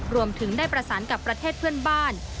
รวมถึงได้ประสานกับประเทศเพื่อนบ้าน